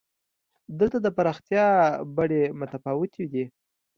دلته د پراختیا بڼې متفاوتې دي.